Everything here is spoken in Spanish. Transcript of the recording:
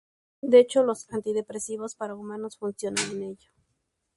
De hecho los antidepresivos para humanos funcionan en ellos.